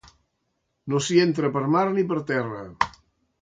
No s'hi entra per mar ni per terra.